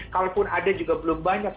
kalaupun ada juga belum banyak